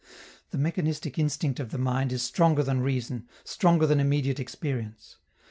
The mechanistic instinct of the mind is stronger than reason, stronger than immediate experience.